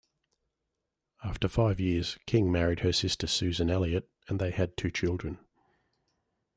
After five years, King married her sister Susan Eliot, and they had two children.